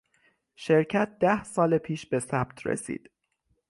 شرکت ده سال پیش به ثبت رسید.